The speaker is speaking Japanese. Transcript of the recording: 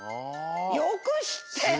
よくしってる！